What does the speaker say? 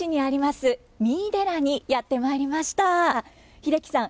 英樹さん